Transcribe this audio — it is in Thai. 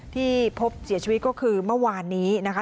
ที่พบเสียชีวิตก็คือเมื่อวานนี้นะคะ